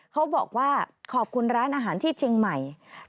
เขาบอกว่าขอบคุณร้านอาหารที่เชียงใหม่